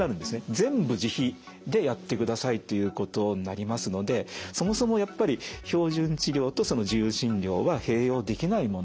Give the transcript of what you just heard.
全部自費でやってくださいということになりますのでそもそもやっぱり標準治療とその自由診療は併用できないもの。